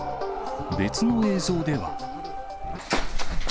別の映像では。